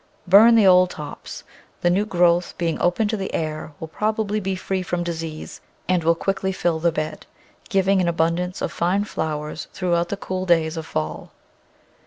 Burn the old tops. The new growth, being open to the air, will probably be free from disease, and will quickly fill the bed, giving an abundance of fine flowers throughout the cool days of fall.